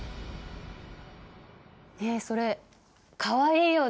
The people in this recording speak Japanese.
ねえそれかわいいよね。